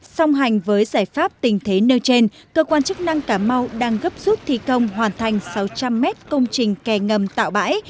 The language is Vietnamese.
song hành với giải pháp tình thế nêu trên cơ quan chức năng cà mau đang gấp rút thi công hoàn thành sáu trăm linh mét công trình kè ngầm tạo bãi